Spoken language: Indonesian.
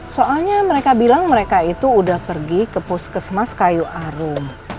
soalnya mereka bilang mereka itu udah pergi ke puskesmas kayu arum